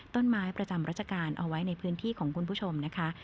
ประจำราชการเอาไว้ในพื้นที่ของคุณผู้ชมนะคะ